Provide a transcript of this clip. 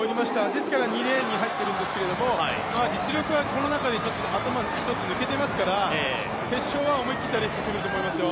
ですから２レーンに入っているんですけれども、実力はこの中では頭一つ抜けていますから、決勝は思い切ったレースしてくると思いますよ。